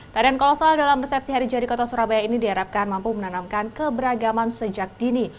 tarian kolosal dalam resepsi hari jadi kota surabaya ini diharapkan mampu menanamkan keberagaman sejak dini